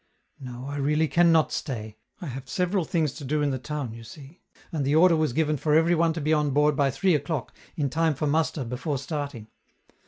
"No, I really can not stay. I have several things to do in the town, you see, and the order was given for every one to be on board by three o'clock in time for muster before starting.